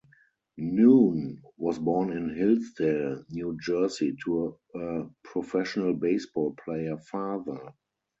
Noone was born in Hillsdale, New Jersey to a professional baseball player father.